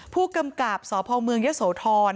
ผู้กำกับสพเมืองยะโสธร